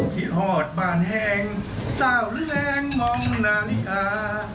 ที่หอดบ้านแห้งสาวแรงมองนาลิกา